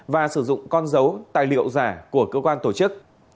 và sử dụng con dấu tài liệu giả của cơ quan tổ chức